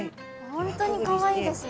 本当にかわいいですね。